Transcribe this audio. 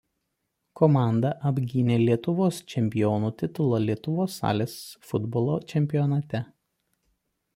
Komanda apgynė čempionų titulą Lietuvos salės futbolo čempionate.